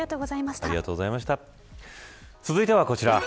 続いてはこちら。